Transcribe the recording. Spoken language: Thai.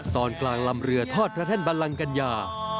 ตอนกลางลำเรือทอดพระแท่นบัลลังกัญญา